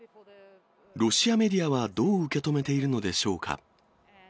ロシアメディアはどう受け止めているのでしょうか。